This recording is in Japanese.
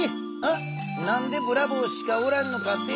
なんでブラボーしかおらんのかって？